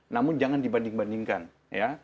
namun jangan dibanding bandingkan ya